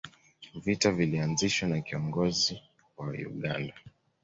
vita vilianzishwa na kiongozin wa uganda